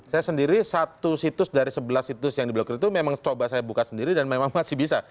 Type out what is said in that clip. saya sendiri satu situs dari sebelas situs yang di blokir itu memang coba saya buka sendiri dan memang masih bisa